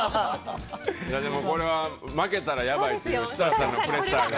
これは負けたらやばいっていう設楽さんのプレッシャーが。